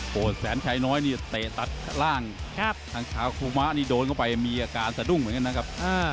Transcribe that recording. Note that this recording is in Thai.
แสนชัยน้อยนี่เตะตัดล่างทางเท้าคุมะนี่โดนเข้าไปมีอาการสะดุ้งเหมือนกันนะครับ